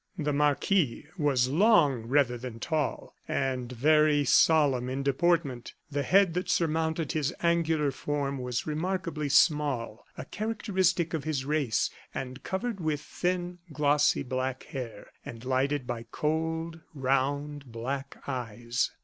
The marquis was long rather than tall, and very solemn in deportment. The head that surmounted his angular form was remarkably small, a characteristic of his race, and covered with thin, glossy black hair, and lighted by cold, round black eyes.